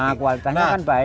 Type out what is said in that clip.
nah kualitasnya kan baik